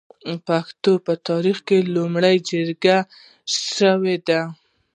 د پښتنو په تاریخ کې لویې جرګې شوي دي.